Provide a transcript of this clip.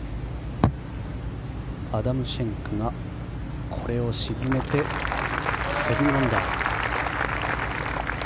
アダム・シェンクがこれを沈めて７アンダー。